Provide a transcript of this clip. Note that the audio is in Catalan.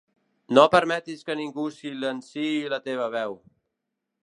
No permetis que ningú silenciï la teva veu.